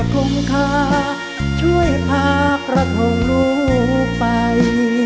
คงคาช่วยพากระทงลูกไป